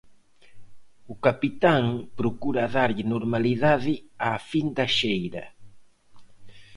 O capitán procura darlle normalidade á fin da xeira.